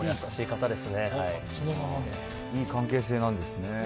いい関係性なんですね。